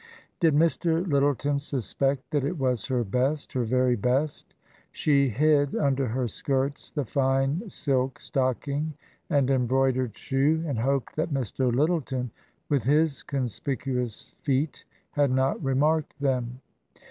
Did Mr. Lyttleton suspect that it was her best, her very best ? She hid under her skirts the fine silk stock ing and embroidered shoe, and hoped that Mr. Lyttleton, with his conspicuous feet, had not remarked them.